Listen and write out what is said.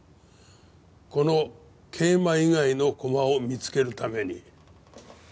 この桂馬以外の駒を見つけるために。